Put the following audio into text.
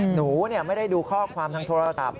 หนูไม่ได้ดูข้อความทางโทรศัพท์